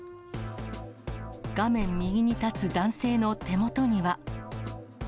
画面右に立つ男性の手元には。